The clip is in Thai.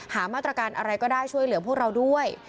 หามาตรการอะไรก็ได้ช่วยเหลือพวกเราด้วย